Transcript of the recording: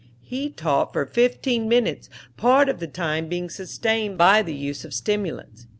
He talked for fifteen minutes, part of the time being sustained by the use of stimulants.